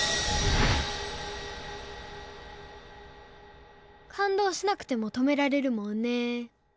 心の声感動しなくても止められるもんね！